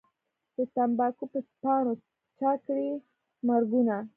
د تمباکو په پاڼو چا کړي مرګونه